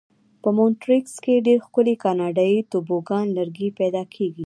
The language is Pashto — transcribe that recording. په مونټریکس کې ډېر ښکلي کاناډایي توبوګان لرګي پیدا کېږي.